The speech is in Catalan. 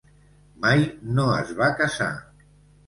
Mai no es va casar.